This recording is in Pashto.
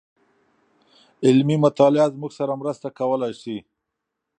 علمي مطالعه زموږ سره مرسته کولای سي.